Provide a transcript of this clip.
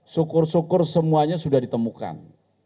syukur syukur semuanya sudah ditemukan